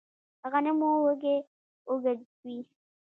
د غنمو وږی اوږد وي.